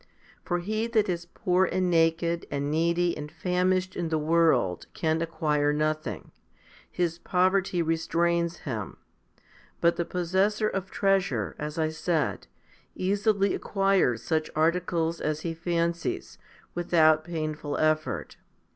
For he that is poor and naked and needy and famished in the world can acquire nothing; his poverty restrains him ; but the possessor of treasure, as I said, easily acquires such articles as he fancies, without painful effort.